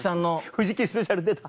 藤木スペシャル出た。